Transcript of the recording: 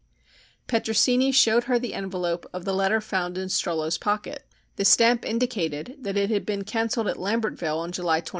Petrosini showed her the envelope of the letter found in Strollo's pocket. The stamp indicated that it had been cancelled at Lambertville on July 26.